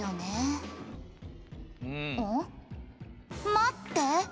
待って！」